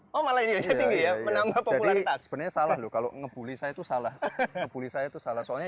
menambah popularitas bener salah lu kalau ngebully saya itu salah ngebully saya itu salah soalnya